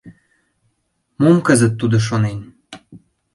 Мом кызыт тудо шонен?